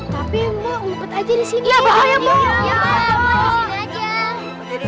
tolonglah raksasa itu